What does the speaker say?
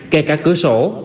kể cả cửa sổ